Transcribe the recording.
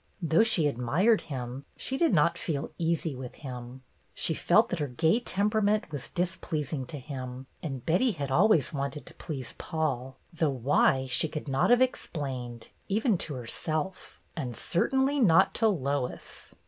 Though she admired him, she did not feel easy with him. She felt that her gay temperament was displeasing to him, and Betty had always wanted to please 78 BETTY BAIRD'S GOLDEN YEAR Paul, though why she could not have explained, even to herself, and certainly not to Lois.